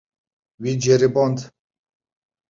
Wî ceriband.